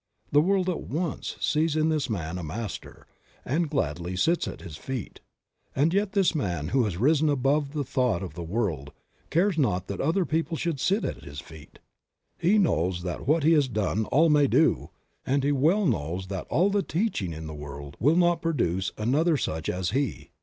The world at once sees in this man a master, and gladly sits at his feet. And yet this man who has risen above the thought of the world cares not that other people should sit at his feet. He knows that what he has done all may do, and he well knows that all the teaching in the world will not produce another such as he.